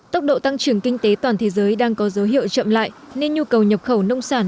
tốc độ tăng trưởng kinh tế toàn thế giới đang có dấu hiệu chậm lại nên nhu cầu nhập khẩu nông sản